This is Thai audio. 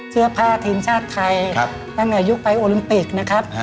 ทีมชาติไทยตั้งแต่ยุคไปโอลิมปิกนะครับ